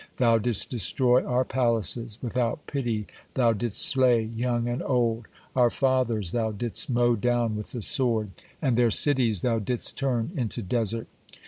Thou didst destroy our palaces; without pity thou didst slay young and old; our fathers thou didst mow down with the sword; and their cities thou didst turn into desert.